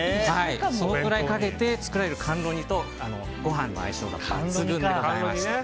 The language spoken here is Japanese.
そのくらいかけて作られる甘露煮とご飯の相性が抜群でございます。